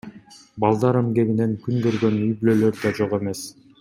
Балдар эмгегинен күн көргөн үй бүлөлөр да жок эмес.